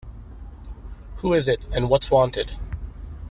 Who is it, and what's wanted?